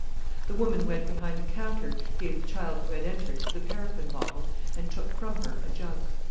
The woman went behind the counter, gave the child who had entered the paraffin bottle, and took from her a jug.